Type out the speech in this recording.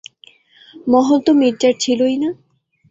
মহল তো মির্জার ছিলোইনা?